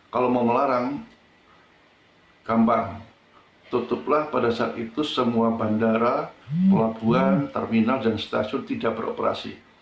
kalau mau melarang gampang tutuplah pada saat itu semua bandara pelabuhan terminal dan stasiun tidak beroperasi